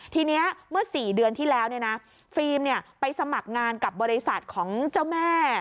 ทีนี้เมื่อ๔เดือนที่แล้วฟิล์มไปสมัครงานกับบริษัทของเจ้าแม่